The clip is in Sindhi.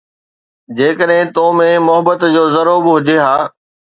جيڪڏهن تو ۾ محبت جو ذرو به هجي ها